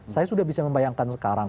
saya sudah bisa membayangkan sekarang